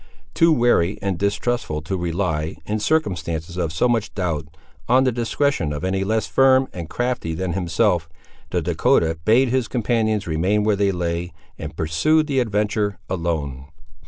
Too wary and distrustful to rely, in circumstances of so much doubt, on the discretion of any less firm and crafty than himself, the Dahcotah bade his companions remain where they lay, and pursued the adventure alone.